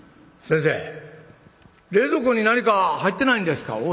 「先生冷蔵庫に何か入ってないんですか？」。